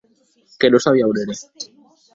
Que non sabia a on ère.